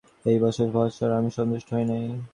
এই বৎসরের মহোৎসবে আমি সন্তুষ্ট হই নাই।